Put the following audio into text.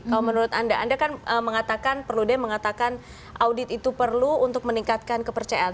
kalau menurut anda anda kan mengatakan perlu deh mengatakan audit itu perlu untuk meningkatkan kepercayaan